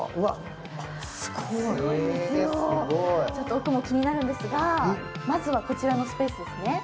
ちょっと奥も気になるんですが、まずはこちらのスペースですね。